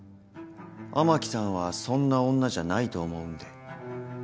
雨樹さんはそんな女じゃないと思うんで。